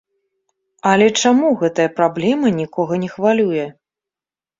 Але чаму гэтая праблема нікога не хвалюе?